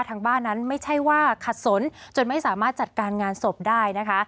ทางบ้านนั้นไม่ใช่ว่าขัดสนจนไม่สามารถจัดการงานศพได้นะคะ